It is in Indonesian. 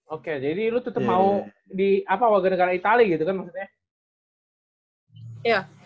oke jadi lu tetep mau di apa warga negara itali gitu kan maksudnya